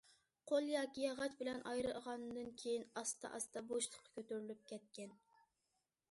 قول ياكى ياغاچ بىلەن ئايرىغاندىن كېيىن، ئاستا- ئاستا بوشلۇققا كۆتۈرۈلۈپ كەتكەن.